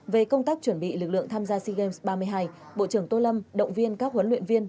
về công tác chuẩn bị lực lượng tham gia sea games ba mươi hai bộ trưởng tô lâm động viên các huấn luyện viên